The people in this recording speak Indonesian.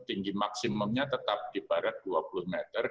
tinggi maksimumnya tetap di barat dua puluh meter